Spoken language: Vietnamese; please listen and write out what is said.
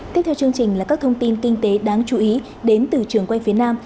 tiếp theo chương trình là các thông tin kinh tế đáng chú ý đến từ trường quay phía nam